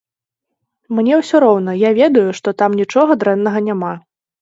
Мне ўсё роўна, я ведаю, што там нічога дрэннага няма.